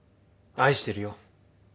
愛してるよ。